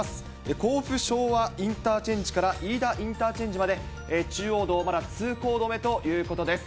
甲府昭和インターチェンジからいいだインターチェンジまで中央道、まだ通行止めということです。